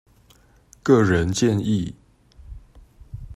個人建議